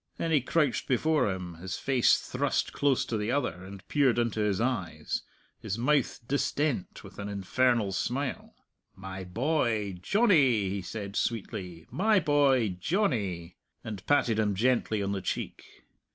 Then he crouched before him, his face thrust close to the other, and peered into his eyes, his mouth distent with an infernal smile. "My boy, Johnny," he said sweetly, "my boy, Johnny," and patted him gently on the cheek.